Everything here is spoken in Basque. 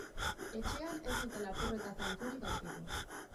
Etxean ez dute lapurreta zantzurik aurkitu.